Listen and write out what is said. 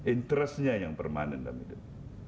interestnya yang permanen dalam hidup